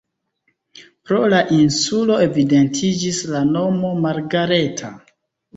Pro la insulo evidentiĝis la nomo Margareta.